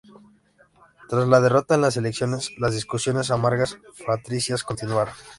Tras la derrota en las elecciones, las discusiones amargas fratricidas continuaron.